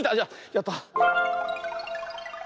やった！